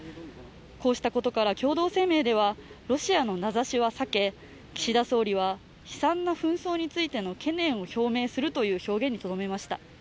こうしたことから共同声明ではロシアの名指しは避け、岸田総理は悲惨な紛争についての懸念を表明するという形にとどめました。